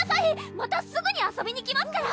またすぐに遊びに来ますから！